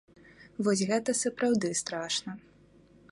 Вось гэта сапраўды страшна.